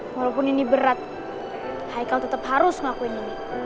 walaupun ini berat haikal tetap harus ngakuin ini